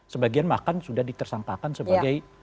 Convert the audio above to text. sebagian bahkan sudah ditersangkakan sebagai